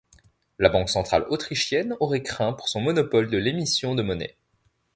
La banque centrale autrichienne aurait craint pour son monopole de l'émission de monnaie.